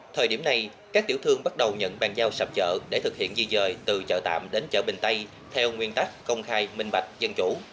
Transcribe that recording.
thời điểm này các tiểu thương bắt đầu nhận bàn giao sạp chợ để thực hiện di dời từ chợ tạm đến chợ bình tây theo nguyên tắc công khai minh bạch dân chủ